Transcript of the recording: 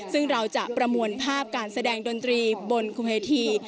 ซึ่งเราจะประมวลภาพการแสดงดนตรีบนคุเวที